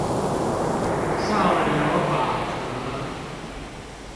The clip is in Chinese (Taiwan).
上流法則